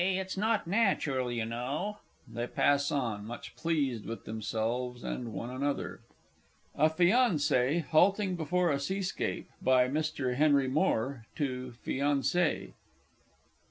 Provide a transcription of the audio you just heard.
It's not natural, you know. [They pass on, much pleased with themselves and one another. A FIANCÉ (halting before a sea scape, by Mr. Henry Moore, to FIANCÉE).